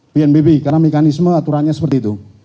bnpb karena mekanisme aturannya seperti itu